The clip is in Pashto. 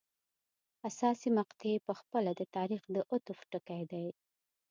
حساسې مقطعې په خپله د تاریخ د عطف ټکي دي.